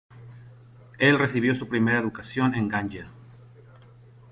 Él recibió su primera educación en Ganyá.